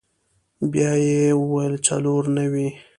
بيا يې وويل څلور نوي.